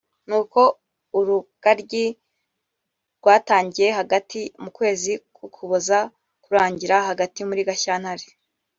nuko urugaryi rwatangiraga hagati mu kwezi k’Ukuboza rukarangira hagati muri Gashyantare